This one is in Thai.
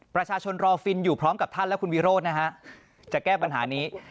รอฟินอยู่พร้อมกับท่านและคุณวิโรธนะฮะจะแก้ปัญหานี้